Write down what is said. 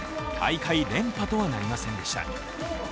大会連覇とはなりませんでした。